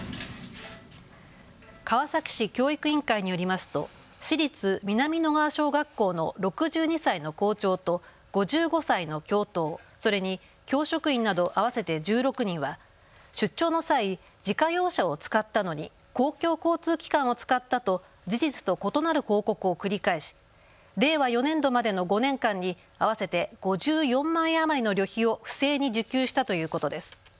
川崎市教育委員会によりますと市立南野川小学校の６２歳の校長と５５歳の教頭、それに教職員など合わせて１６人は出張の際、自家用車を使ったのに公共交通機関を使ったと事実と異なる報告を繰り返し令和４年度までの５年間に合わせて５４万円余りの旅費を不正に受給したということです。